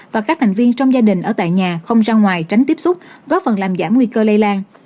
và các thành viên trong gia đình ở tại nhà không ra ngoài tránh tiếp xúc góp phần làm giảm nguy cơ lây lan